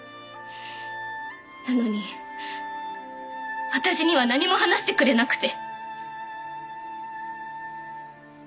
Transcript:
なのに私には何も話してくれなくて。